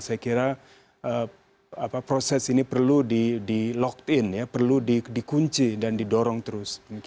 saya kira proses ini perlu di lock in ya perlu dikunci dan didorong terus